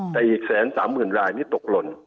แต่อีกแสนสามหมื่นรายนี่ตกล่น